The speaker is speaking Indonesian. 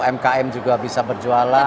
mkm juga bisa berjualan